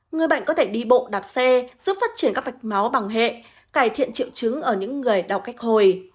người bệnh có thể đi bộ đạp xe giúp phát triển các mạch máu bằng hệ cải thiện triệu chứng ở những người đọc cách hồi